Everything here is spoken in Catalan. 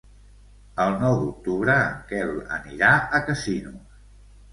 El nou d'octubre en Quel anirà a Casinos.